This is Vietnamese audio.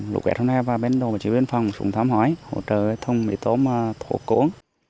lũ quét hôm nay vào bên đầu của chiếc biên phòng chúng thám hỏi hỗ trợ thông đi tốm thổ cổ